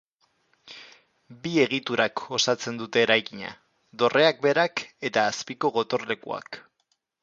Bi egiturak osatzen dute eraikina: dorreak berak eta azpiko gotorlekuak.